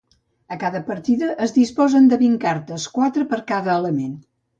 A cada partida es disposen de vint cartes, quatre per cada element.